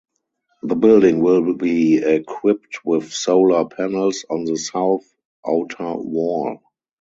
The building will be equipped with solar panels on the south outer wall.